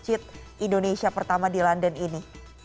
bagaimana menurut anda masjid indonesia pertama di london ini